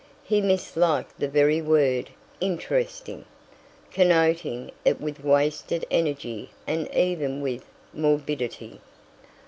He misliked the very word "interesting," connoting it with wasted energy and even with morbidity.